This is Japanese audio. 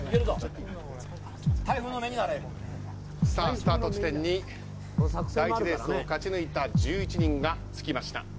スタート地点に第１レースを勝ち抜いた１１人がつきました。